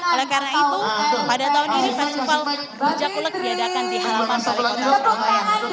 oleh karena itu pada tahun ini festival rujak ngulek diadakan di halaman balik kota surabaya